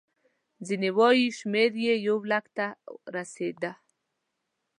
ځینې وایي شمېر یې یو لک ته رسېده.